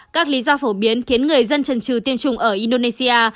các lý do phổ biến khiến người dân trần trừ tiêm chủng ở indonesia